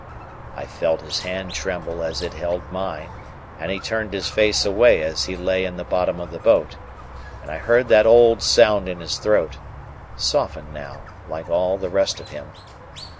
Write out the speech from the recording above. I felt his hand tremble as it held mine, and he turned his face away as he lay in the bottom of the boat, and I heard that old sound in his throat,—softened now, like all the rest of him.